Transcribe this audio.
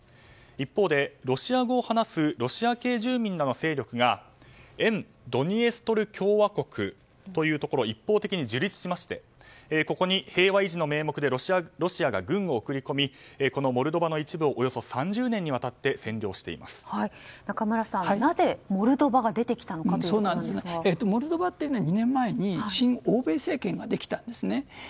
一方、ロシア語を話すロシア系住民らの勢力が沿ドニエストル共和国を一方的に樹立しましてここに平和維持の名目でロシアが軍を送りこみモルドバの一部をおよそ３０年にわたって中村さん、なぜモルドバがモルドバって２年前に親欧米政権ができたんです。